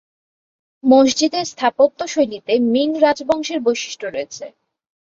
মসজিদের স্থাপত্যশৈলীতে মিং রাজবংশের বৈশিষ্ট্য রয়েছে।